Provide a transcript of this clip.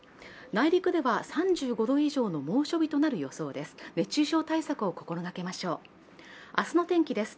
内陸では３５度以上の猛暑日となる予想です。